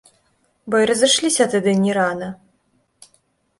Бо й разышліся тады не рана.